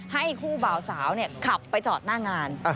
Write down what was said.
ให้คู่บ่าวสาวขับไปจอดหน้างาน